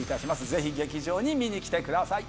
ぜひ劇場に見に来てください。